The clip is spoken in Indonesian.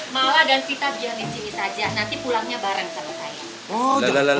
mala dan vita biar di sini saja nanti pulangnya bareng sama saya